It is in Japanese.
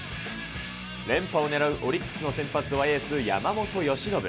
連覇を狙うオリックスの先発はエース、山本由伸。